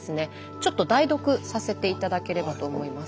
ちょっと代読させて頂ければと思います。